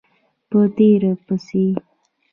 په تېر پسې